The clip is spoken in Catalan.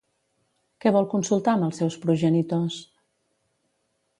Què vol consultar amb els seus progenitors?